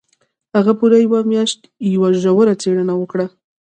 هغه پوره يوه مياشت يوه ژوره څېړنه وکړه.